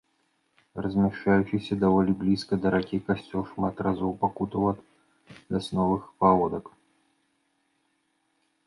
Размяшчаючыся даволі блізка да ракі, касцёл шмат разоў пакутаваў ад вясновых паводак.